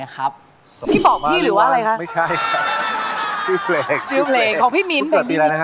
ของตรวจเสียง